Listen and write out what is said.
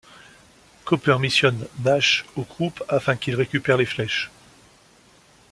Copper missionne Nash au groupe afin qu’il récupe les flèches.